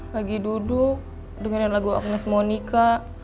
lagi duduk dengerin lagu agnes monica